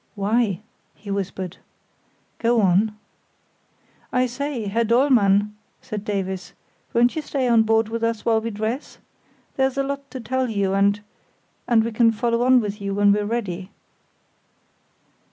"Why?" he whispered. "Go on." "I say, Herr Dollmann," said Davies, "won't you stay on board with us while we dress? There's a lot to tell you, and—and we can follow on with you when we're ready."